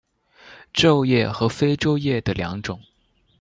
皱叶和非皱叶的两种。